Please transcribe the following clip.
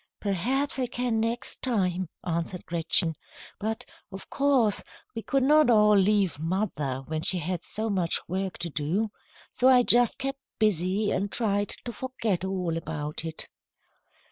"Perhaps I can next time," answered Gretchen. "But, of course, we could not all leave mother when she had so much work to do. So I just kept busy and tried to forget all about it."